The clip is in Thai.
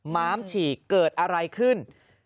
ม้ามฉีกเกิดอะไรขึ้น